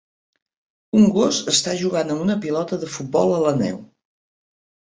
Un gos està jugant amb una pilota de futbol a la neu.